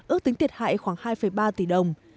ước tính thiệt hại khoảng hai ba tỷ đồng